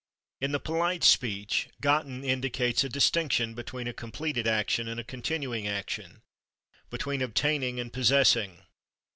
In the polite speech /gotten/ indicates a distinction between a completed action and a continuing action, between obtaining and possessing.